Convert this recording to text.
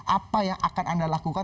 apa yang akan anda lakukan